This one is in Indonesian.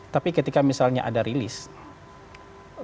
tapi ketika misalnya ada release